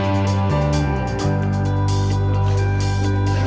aku bisa berkata kata